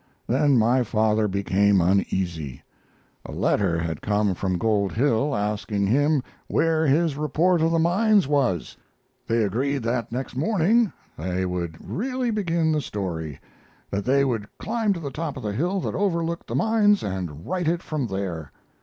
Then my father became uneasy. A letter had come from Gold Hill, asking him where his report of the mines was. They agreed that next morning they would really begin the story; that they would climb to the top of a hill that overlooked the mines, and write it from there.